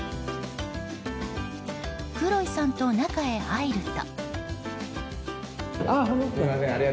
クロイさんと中へ入ると。